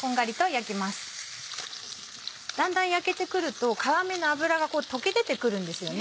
だんだん焼けてくると皮目の脂がこう溶け出てくるんですよね。